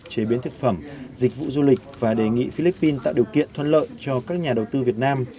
chế biến thực phẩm dịch vụ du lịch và đề nghị philippines tạo điều kiện thuận lợi cho các nhà đầu tư việt nam